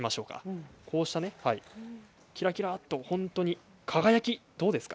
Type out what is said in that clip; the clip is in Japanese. キラキラと本当に輝きどうですか？